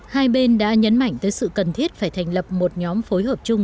hai bên đã nhấn mạnh tới sự cần thiết phải thành lập một nhóm phối hợp chung